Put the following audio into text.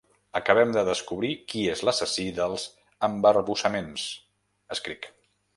“Acabem de descobrir qui és l'assassí dels embarbussaments”, escric.